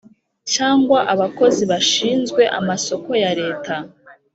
Cyangwa abakozi bashinzwe amasoko ya leta